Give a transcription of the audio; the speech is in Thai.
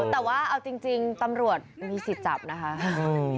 แต่ว่าเอาจริงตำรวจมีสิทธิ์จับนะคะ